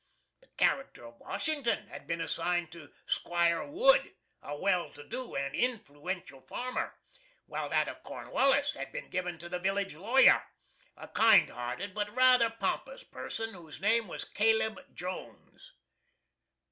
The character of Washington had been assigned to 'Squire Wood, a well to do and influential farmer, while that of Cornwallis had been given to the village lawyer, a kind hearted but rather pompous person, whose name was Caleb Jones.